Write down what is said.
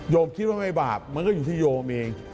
คิดว่าไม่บาปมันก็อยู่ที่โยมเอง